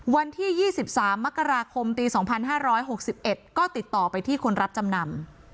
วันที่๒๓มกราคมปี๒๕๖๑ก็ติดต่อไปที่คนรับจำนำ